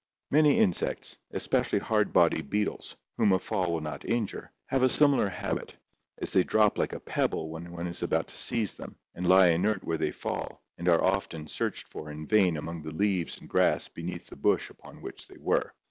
Many insects, especially hard bodied beetles, whom a fall will not injure, have a similar habit, as they drop like a pebble when one is about to seize them and lie inert where they fall and are often searched for in vain among the leaves and grass beneath the bush upon which they were.